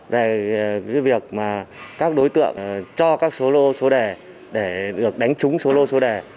về cái việc mà các đối tượng cho các số lô số đề để được đánh trúng số lô số đẻ